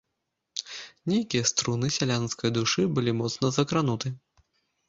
Нейкія струны сялянскае душы былі моцна закрануты.